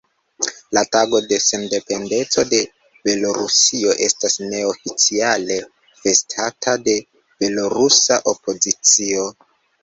La tago de sendependeco de Belorusio estas neoficiale festata de belorusa opozicio.